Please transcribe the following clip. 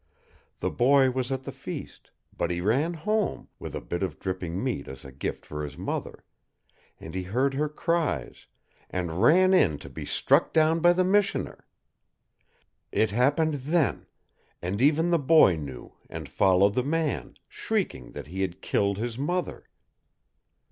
The boy was at the feast, but he ran home with a bit of dripping meat as a gift for his mother and he heard her cries, and ran in to be struck down by the missioner. It happened THEN, and even the boy knew, and followed the man, shrieking that he had killed his mother."